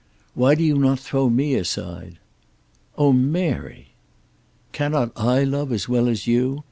Why do you not throw me aside?" "Oh, Mary!" "Cannot I love as well as you?